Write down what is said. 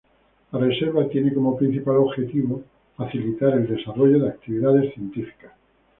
La reserva tiene como principal objetivo facilitar el desarrollo de actividades científicas.